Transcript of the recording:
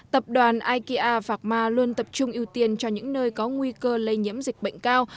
tập đoàn ikea phạm ma luôn tập trung ưu tiên cho những nơi có nguy cơ lây nhiễm dịch bệnh cao